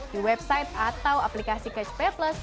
di website atau aplikasi catch play plus